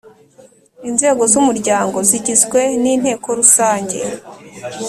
Inzego z Umuryango zigizwe ni Inteko Rusange